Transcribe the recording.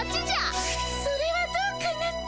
それはどうかなピ。